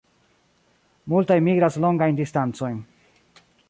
Multaj migras longajn distancojn.